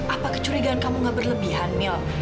apa kecurigaan kamu gak berlebihan mil